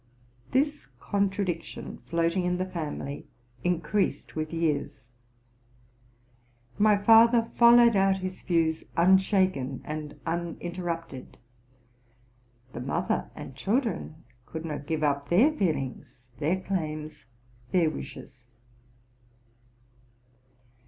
This contra cietion floating in the 'family increased with years. My father followed out his views unshaken and uninterrupted : the mother and children could not give up their feelings, their claims, their wishes.